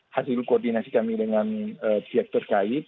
hasil koordinasi kami dengan pihak terkait